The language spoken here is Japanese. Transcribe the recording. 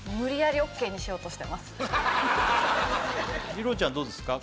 じろうちゃんどうですか？